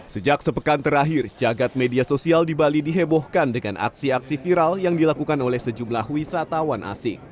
sejak sepekan terakhir jagad media sosial di bali dihebohkan dengan aksi aksi viral yang dilakukan oleh sejumlah wisatawan asing